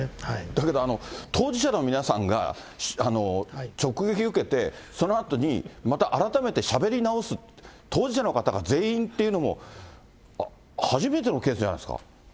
だけど、当事者の皆さんが、直撃受けて、そのあとにまた改めてしゃべり直す、当事者の方が全員っていうのも、初めてのケースじゃないですか。